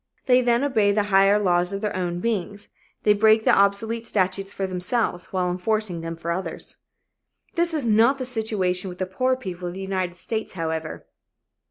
They then obey the higher laws of their own beings they break the obsolete statutes for themselves while enforcing them for others. This is not the situation with the poorer people of the United States, however.